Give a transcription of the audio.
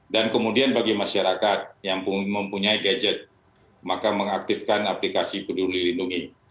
dan kemudian bagi masyarakat yang mempunyai gadget maka mengaktifkan aplikasi peduli lindungi